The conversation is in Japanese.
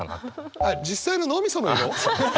あっ実際の脳みその色！？